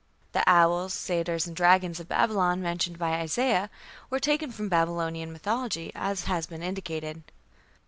The "owls", "satyrs", and "dragons" of Babylon, mentioned by Isaiah, were taken from Babylonian mythology, as has been indicated.